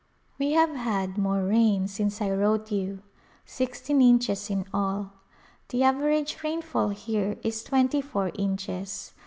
We have had more rain since I wrote you — sixteen inches in all. The average rainfall here is twenty four inches.